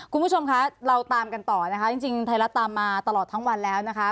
คุณผู้ชมคะเราตามกันต่อนะคะจริงไทยรัฐตามมาตลอดทั้งวันแล้วนะคะ